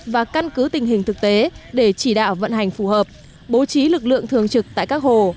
và căn cứ tình hình thực tế để chỉ đạo vận hành phù hợp bố trí lực lượng thường trực tại các hồ